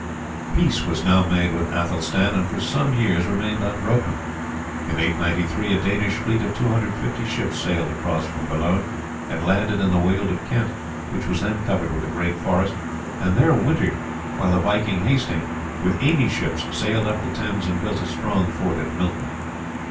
Peace was now made with Athelstan, and for some years remained unbroken. In 893 a Danish fleet of 250 ships sailed across from Boulogne and landed in the Weald of Kent, which was then covered with a great forest, and there wintered, while the viking Hasting with eighty ships sailed up the Thames and built a strong fort at Milton.